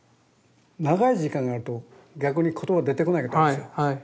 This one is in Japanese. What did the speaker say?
長い時間やると逆に言葉出てこなかったんですよ。